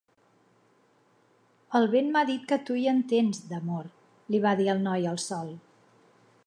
"El vent m'ha dit que tu hi entens, d'amor", li va dir el noi al sol.